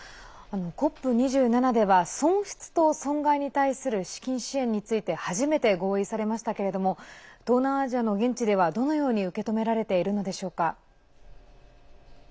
ＣＯＰ２７では損失と損害に対する資金支援について初めて合意されましたけれども東南アジアの現地ではどのように受け止められているのでしょうか。